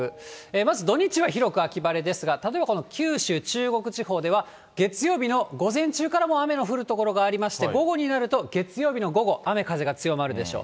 まず土日は広く秋晴れですが、例えばこの九州、中国地方では月曜日の午前中からもう雨の降る所がありまして、午後になると月曜日の午後、雨風が強まるでしょう。